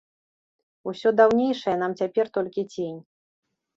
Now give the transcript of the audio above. Усё даўнейшае нам цяпер толькі цень.